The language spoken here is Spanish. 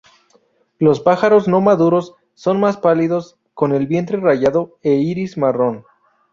Los pájaros no maduros son más pálidos, con el vientre rayado e iris marrón.